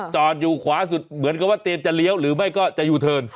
จอดอยู่ขวาสุดเหมือนกับว่าเตรียมจะเลี้ยวหรือไม่ก็จะยูเทิร์น